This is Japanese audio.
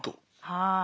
はい。